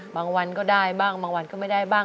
บางวันก็ได้บ้างจิตก็ไม่ได้บ้าง